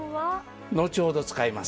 後ほど使います。